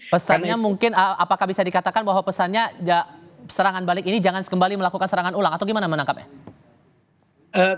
pesannya mungkin apakah bisa dikatakan bahwa pesannya serangan balik ini jangan sekembali melakukan serangan ulang atau gimana menangkapnya